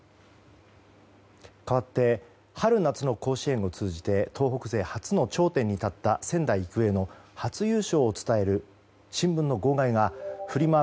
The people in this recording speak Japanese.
かわって春夏の甲子園を通じて東北勢初の頂点に立った仙台育英の初優勝を伝える新聞の号外がフリマ